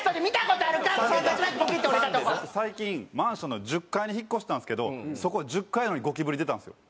最近マンションの１０階に引っ越したんですけどそこ１０階なのにゴキブリ出たんですよ。